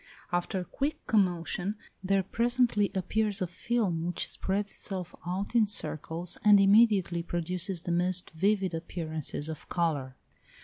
After quick commotion there presently appears a film which spreads itself out in circles, and immediately produces the most vivid appearances of colour.